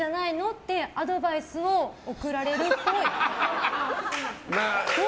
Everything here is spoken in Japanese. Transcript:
ってアドバイスを送られるっぽい。